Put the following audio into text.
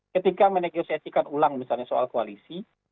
ketika menegosiasikan ulang misalnya soal koalisi